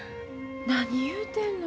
何言うてんの。